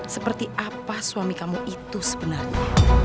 seperti apa suami kamu itu sebenarnya